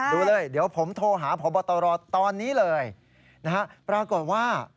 ดูเลยเดี๋ยวผมโทรหาพบตรตอนนี้เลยนะฮะปรากฏว่า